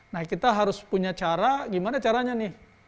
nah kita harus punya cara gimana caranya nih